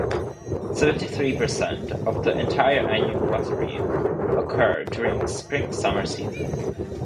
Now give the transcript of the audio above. Seventy-three per cent of the entire annual water yield occurs during the spring-summer season.